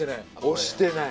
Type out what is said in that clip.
押してない。